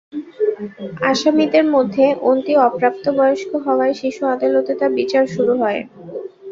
আসামিদের মধ্যে অন্তি অপ্রাপ্তবয়স্ক হওয়ায় শিশু আদালতে তাঁর বিচার শুরু হয়।